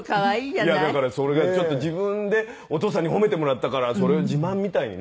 いやだからそれがちょっと自分でお父さんに褒めてもらったからそれを自慢みたいにね。